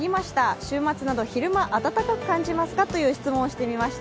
週末など昼間、暖かく感じますかという質問をしてみました。